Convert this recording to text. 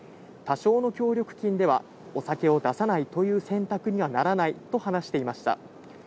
多少の協力金では、お酒を出さないという選択にはならないと話していました。